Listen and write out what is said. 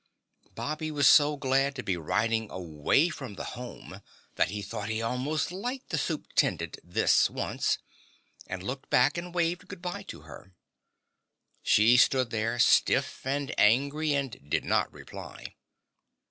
Bobby was so glad to be riding away from the Home that he thought he almost liked the Supe'tendent this once, and looked back and waved good bye to her. She stood there stiff and angry and did not reply.